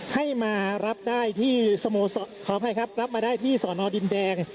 ให้มารับได้ที่สอนอดินแดง